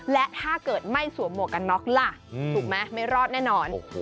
และถ้าเกิดไม่สวมหมวกกันน็อกล่ะถูกไหมไม่รอดแน่นอน